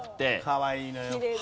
かわいいのよ。